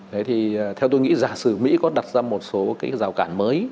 thế thì theo tôi nghĩ giả sử mỹ có đặt ra một số cái rào cản mới